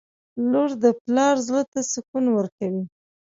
• لور د پلار زړه ته سکون ورکوي.